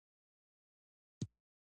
کلي د افغانستان د انرژۍ سکتور برخه ده.